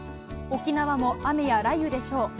沖縄も雨や雷雨でしょう。